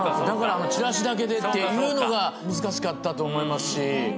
だからチラシだけでっていうのが難しかったと思いますし。